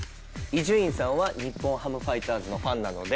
伊集院さんは日本ハムファイターズのファンなので。